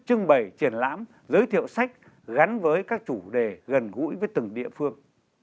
trưng bày triển lãm giới thiệu sách gắn với các chủ đề gần gũi với từng địa phương